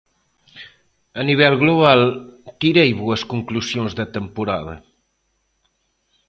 A nivel global, tirei boas conclusións da temporada.